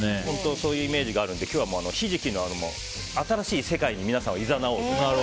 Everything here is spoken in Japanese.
そういうイメージがあるので今日は、ヒジキの新しい世界に皆さんをいざなおうと思います。